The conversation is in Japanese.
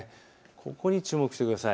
ここに注目してください。